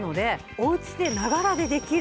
おうちで、ながらでできる。